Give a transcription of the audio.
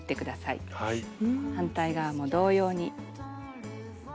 反対側も同様に。